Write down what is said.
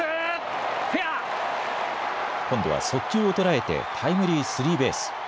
今度は速球を捉えてタイムリースリーベース。